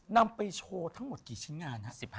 นำไปโชว์ทั้งหมดกี่ชิ้นงานฮะ